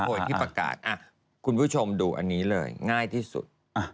โดยที่ประกาศคุณผู้ชมดูอันนี้เลยง่ายที่สุด